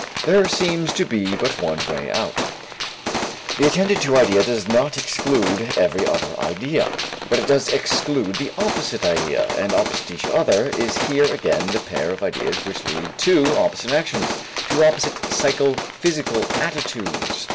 There seems to be but one way. The attended to idea does not exclude every other idea, but it does exclude the opposite idea, and opposite to each other is here again that pair of ideas which lead to opposite actions, to opposite psychophysical attitudes.